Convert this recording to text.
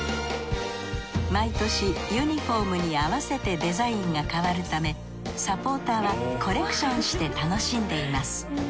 毎年ユニフォームに合わせてデザインが変わるためサポーターはコレクションして楽しんでいます